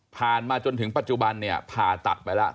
ผ่านมาจนถึงปัจจุบันผ่าตัดไปแล้ว